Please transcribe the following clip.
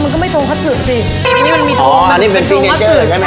มันก็ไม่โทงฮัตซึสิอันนี้มันมีโทงอ๋ออันนี้เป็นฟีเนเจอร์ใช่ไหม